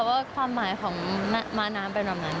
แต่ว่าความหมายของม้าน้ำเป็นแบบนั้น